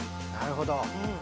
なるほど。